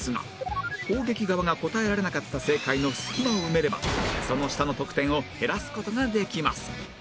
攻撃側が答えられなかった正解の隙間を埋めればその下の得点を減らす事ができます